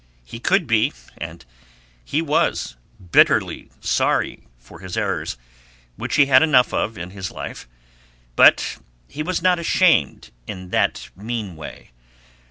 He could be, and he was, bitterly sorry for his errors, which he had enough of in his life, but he was not ashamed in that mean way.